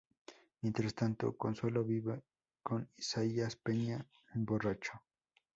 Mientras tanto, Consuelo vive con Isaías Peña, un borracho.